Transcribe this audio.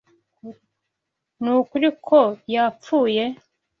Nukuri ko yapfuye.